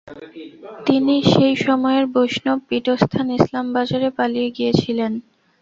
তিনি সেই সময়ের বৈষ্ণব পীঠস্থান ইলামবাজারে পালিয়ে গিয়েছিলেন।